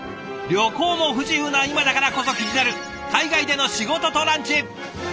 旅行も不自由な今だからこそ気になる海外での仕事とランチ。